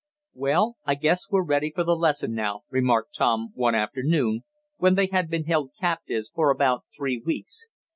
"Well, I guess we're ready for the lesson now," remarked Tom one afternoon, when they had been held captives for about three weeks.